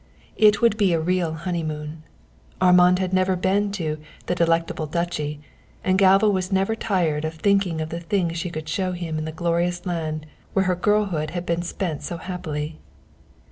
It would be a real honeymoon. Armand had never been in the "Delectable Duchy," and Galva was never tired of thinking of the things she could show him in the glorious land where her girlhood had been spent so happily.